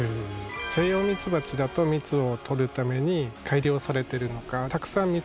セイヨウミツバチだと蜜をとるために改良されてるのか。